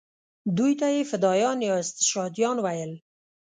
دوی ته یې فدایان یا استشهادیان ویل.